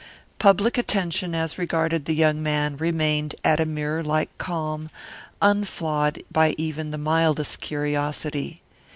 Public attention as regarded the young man remained at a mirror like calm, unflawed by even the mildest curiosity.